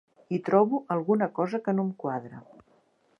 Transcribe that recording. Hi trobo alguna cosa que no em quadra.